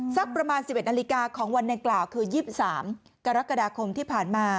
สักประมาณ๑๑นาฬิกาของวันดังกล่าวคือ๒๓กรกฎาคมที่ผ่านมา